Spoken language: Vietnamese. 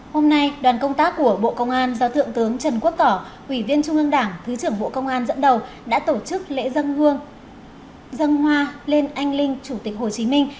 hôm nay đoàn công tác của bộ công an do thượng tướng trần quốc tỏ ủy viên trung ương đảng thứ trưởng bộ công an dẫn đầu đã tổ chức lễ dân hương dân hoa lên anh linh chủ tịch hồ chí minh